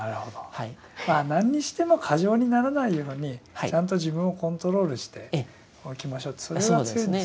まあなんにしても過剰にならないようにちゃんと自分をコントロールしておきましょうってそれが強いんですね。